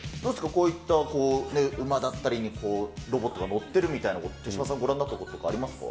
こういった馬だったりにロボットがのってるみたいなこと、手嶋さん、ご覧になったこととかありますか？